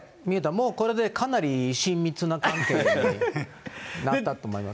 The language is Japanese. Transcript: もうこれで、かなり親密な関係になったと思います。